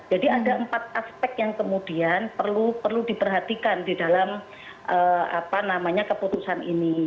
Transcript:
jadi ada empat aspek yang kemudian perlu diperhatikan di dalam keputusan ini